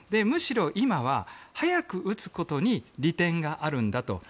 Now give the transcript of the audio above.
むしろ今は早く打つことに利点があるんだと。